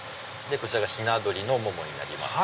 こちらひな鶏のモモになります。